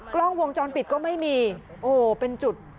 กล้องวงจรปิดก็ไม่มีโอ้วเป็นจุดเป็นจุดอันตรายอยู่จุดนึงเลยนะคะ